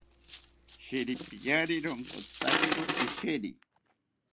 Shiripiari ronkotzitakiro isheri